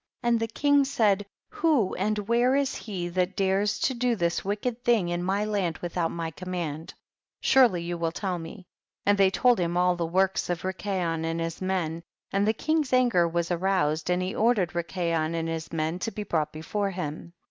22. And the king said, who and where is he that dares to do this wicked thing in my land without my command ? Surely you will tell me. 23. And they told him all the works of Rikayon and his men, and the king's anger was aroused, and he ordered Rikayon and his men to be brought before liim.